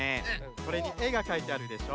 これにえがかいてあるでしょ。